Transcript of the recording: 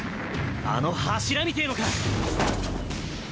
あの柱みてぇのか！